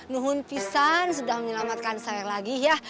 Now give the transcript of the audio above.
nuhun pisan sudah menyelamatkan saya lagi ya